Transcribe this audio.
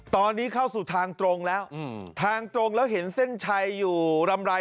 ตอนนี้เข้าสู่ทางตรงแล้วทางตรงแล้วเห็นเส้นชัยอยู่รำไร